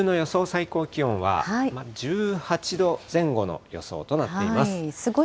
最高気温は１８度前後の予想となっています。